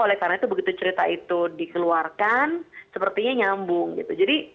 oleh karena itu begitu cerita itu dikeluarkan sepertinya nyambung gitu